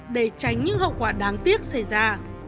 để tránh những hậu quả đáng tiếc xảy ra